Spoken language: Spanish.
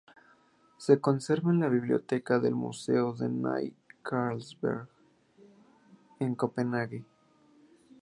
Se conserva en la Biblioteca del Museo de Ny Carlsberg en Copenhague.